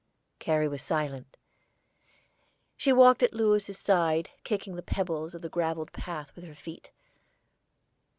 Carrie was silent. She walked at Louis's side, kicking the pebbles of the gravelled path with her feet.